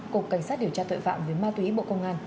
cục cảnh sát điều tra tội phạm về ma túy bộ công an